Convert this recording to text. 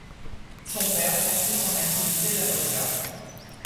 Son père poursuit son activité d'avocat.